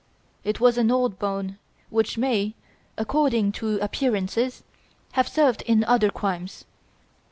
It was an old bone, which may, according to appearances, have served in other crimes.